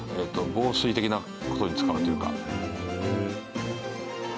防水的な事に使うというか。